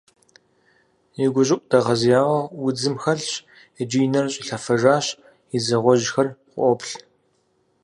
И гущӀыӀу дэгъэзеяуэ удзым хэлъщ иджы, и нэр щӀилъэфэжащ, и дзэ гъуэжьхэр къыӀуоплъ.